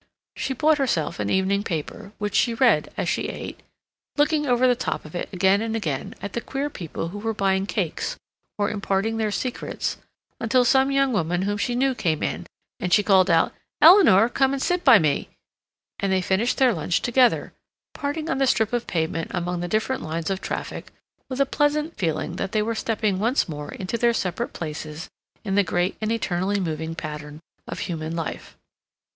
She bought herself an evening paper, which she read as she ate, looking over the top of it again and again at the queer people who were buying cakes or imparting their secrets, until some young woman whom she knew came in, and she called out, "Eleanor, come and sit by me," and they finished their lunch together, parting on the strip of pavement among the different lines of traffic with a pleasant feeling that they were stepping once more into their separate places in the great and eternally moving pattern of human life.